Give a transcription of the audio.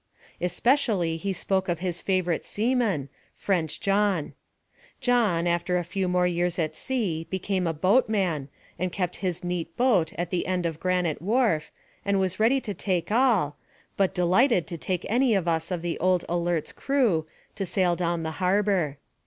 Especially he spoke of his favorite seaman, French John. John, after a few more years at sea, became a boatman, and kept his neat boat at the end of Granite Wharf, and was ready to take all, but delighted to take any of us of the old Alert's crew, to sail down the harbor.